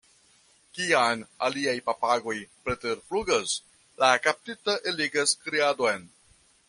Kiam aliaj papagoj preterflugas, la kaptita eligas kriadon.